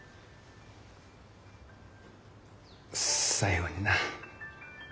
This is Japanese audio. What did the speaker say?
最後にな